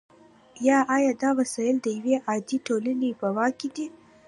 یا آیا دا وسایل د یوې عادلې ټولنې په واک کې دي؟